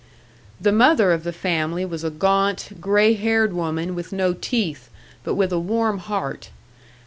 The mother of the family was a gaunt, grey haired woman, with no teeth, but with a warm heart.